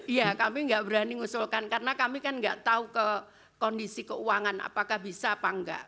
iya kami nggak berani ngusulkan karena kami kan nggak tahu ke kondisi keuangan apakah bisa apa enggak